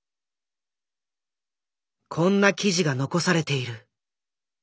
こんな記事が残されている。